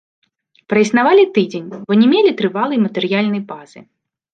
Праіснавалі тыдзень, бо не мелі трывалай матэрыяльнай базы.